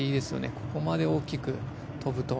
ここまで大きく跳ぶと。